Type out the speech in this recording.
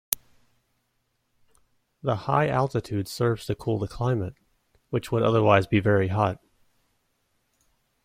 The high altitude serves to cool the climate, which would otherwise be very hot.